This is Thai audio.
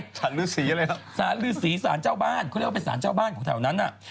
เขาเรียกว่าเป็นสารเจ้าบ้านของแถวนั้นน่ะ